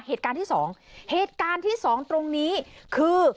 เหตุการณ์ที่สองเหตุการณ์ที่สองตรงนี้คือ